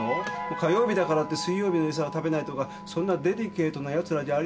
火曜日だからって水曜日のエサは食べないとかそんなデリケートなやつらじゃありませんけど。